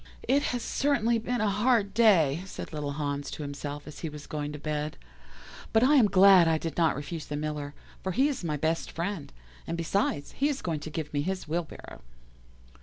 "'It has certainly been a hard day,' said little Hans to himself as he was going to bed, 'but I am glad I did not refuse the Miller, for he is my best friend, and, besides, he is going to give me his wheelbarrow.